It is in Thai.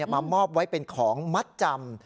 มามอบไว้เป็นของมัดจำ